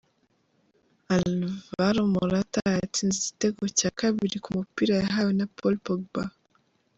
Álvaro Morata yatsinze igitego cya kabiri ku mupira yahawe na Paul Pogba.